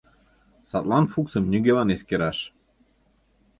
Садлан Фуксым нигӧлан эскераш.